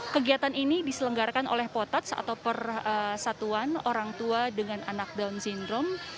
kegiatan ini diselenggarakan oleh potats atau persatuan orang tua dengan anak down syndrome